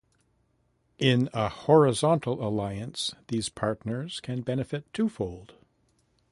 In a horizontal alliance, these partners can benefit twofold.